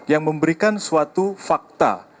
yang memberikan suatu fakta